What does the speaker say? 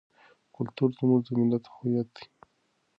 کلتور زموږ د ملت هویت دی.